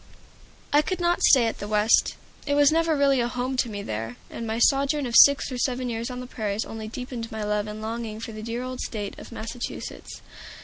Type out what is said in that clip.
I could not stay at the West. It was never really home to me there, and my sojourn of six or seven years on the prairies only deepened my love and longing for the dear old State of Massachusetts.